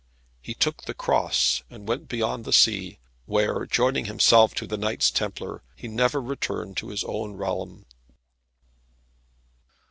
He took the Cross, and went beyond the sea, where joining himself to the Knights Templar, he never returned to his own realm.